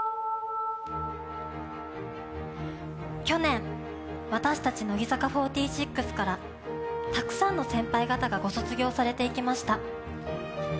去年、私たち乃木坂４６からたくさんの先輩方が卒業していきました。